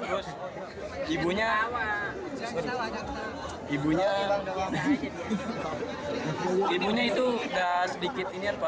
terus ibunya ibunya itu sudah sedikit ini ya pak